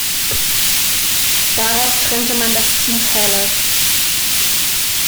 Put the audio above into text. Darauf trennte man das Team vorläufig.